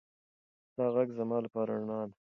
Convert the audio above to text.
ستا غږ زما لپاره رڼا ده.